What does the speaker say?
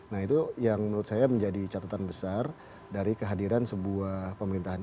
nah itu yang menurut saya menjadi catatan besar dari kehadiran sebuah pemerintahan